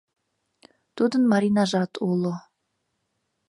Тудын Маринажат уло.